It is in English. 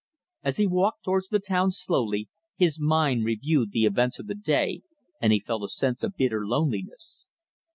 As he walked towards the town slowly, his mind reviewed the events of the day and he felt a sense of bitter loneliness.